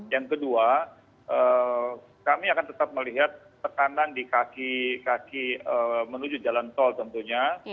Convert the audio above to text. yang kedua kami akan tetap melihat tekanan di kaki menuju jalan tol tentunya